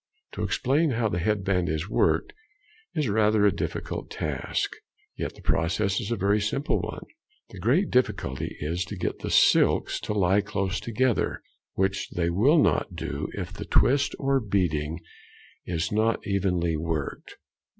To explain how the head band is worked is rather a difficult task; yet the process is a very simple one. The great difficulty is to get the silks to lie close together, which they will not do if the twist or beading is not evenly worked.